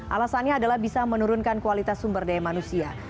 alasannya adalah bisa menurunkan kualitas sumber daya manusia